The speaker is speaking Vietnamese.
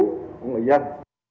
phục vụ người dân